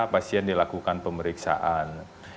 pasien dilakukan pemeriksaan